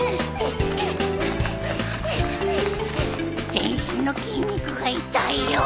全身の筋肉が痛いよ